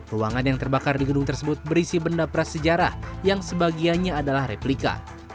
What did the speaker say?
ruangan yang terbakar di gedung tersebut berisi benda prasejarah yang sebagiannya adalah replika